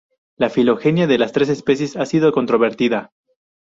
La filogenia de las tres especies ha sido controvertida.